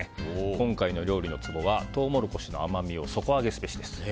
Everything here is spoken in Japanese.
今回の料理のツボはトウモロコシの甘みを底上げすべしです。